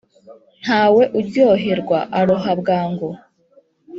Nta we uryoherwa aroha bwangu!